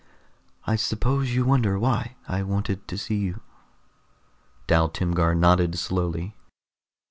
"I suppose you wonder why I wanted to see you." Dal Timgar nodded slowly.